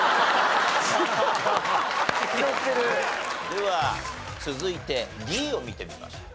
では続いてＤを見てみましょう。